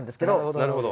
なるほど。